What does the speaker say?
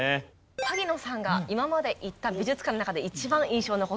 萩野さんが今まで行った美術館の中で一番印象に残ってるという事で。